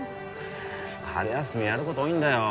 春休みやること多いんだよ